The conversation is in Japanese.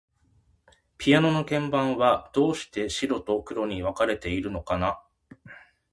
ピアノの鍵盤は、どうして白と黒に分かれているのかな。